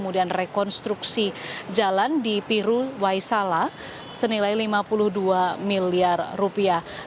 dan rekonstruksi jalan di pirul waisala berharga lima puluh dua miliar rupiah